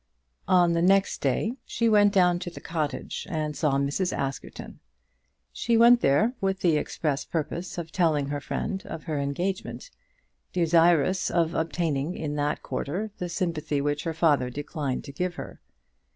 On the next day she went down to the cottage and saw Mrs. Askerton. She went there with the express purpose of telling her friend of her engagement, desirous of obtaining in that quarter the sympathy which her father declined to give her.